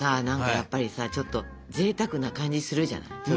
何かやっぱりさちょっとぜいたくな感じするじゃない。